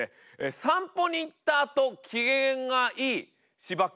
散歩に行ったあと機嫌がいいしば犬。